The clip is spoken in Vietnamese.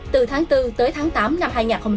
từ tháng bốn tới tháng tám năm hai nghìn hai mươi